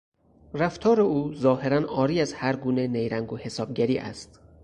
رفتار او ظاهرا عاری از هرگونه نیرنگ و حسابگری است.